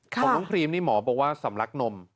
ของน้องครีมนี่หมอบอกว่าสำลักนม